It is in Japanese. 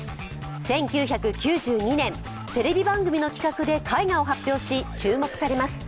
１９９２年、テレビ番組の企画で絵画を発表し、注目されます。